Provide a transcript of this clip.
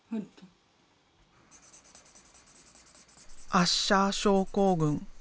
アッシャー症候群。